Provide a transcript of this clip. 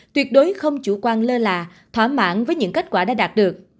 tuyệt đối không chủ quan lơ là thỏa mãn với những kết quả đã đạt được